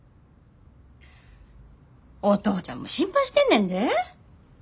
お父ちゃんも心配してんねんで。